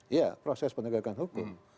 iya proses penegakan hukum